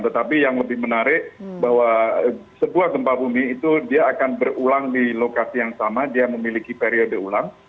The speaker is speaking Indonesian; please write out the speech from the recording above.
tetapi yang lebih menarik bahwa sebuah gempa bumi itu dia akan berulang di lokasi yang sama dia memiliki periode ulang